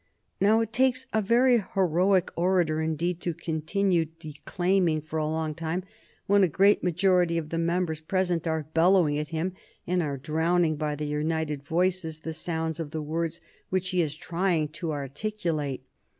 Now, it takes a very heroic orator indeed to continue declaiming for a long time when a great majority of the members present are bellowing at him and are drowning, by their united voices, the sounds of the words which he is trying to articulate.